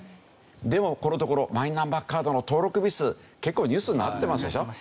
でもこのところマイナンバーカードの登録ミス結構ニュースになってますでしょ？